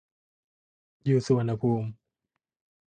อยู่สุวรรณภูมิ